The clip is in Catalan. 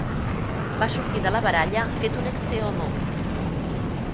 Va sortir de la baralla fet un eccehomo!